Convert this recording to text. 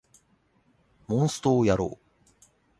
モンストをやろう